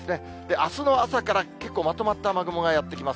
あすの朝から結構、まとまった雨雲がやってきます。